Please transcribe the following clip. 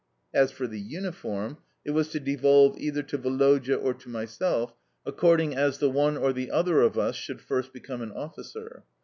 As for the uniform, it was to devolve either to Woloda or to myself, according as the one or the other of us should first become an officer.